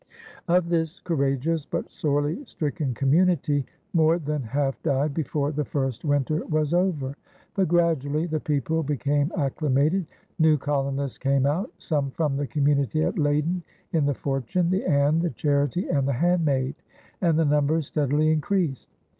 Of this courageous but sorely stricken community more than half died before the first winter was over. But gradually the people became acclimated, new colonists came out, some from the community at Leyden, in the Fortune, the Anne, the Charity, and the Handmaid, and the numbers steadily increased.